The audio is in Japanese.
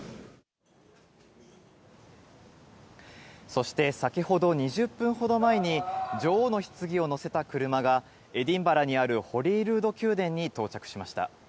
そして、先ほど２０分ほど前に、女王のひつぎを乗せた車が、エディンバラにあるホリールード宮殿に到着しました。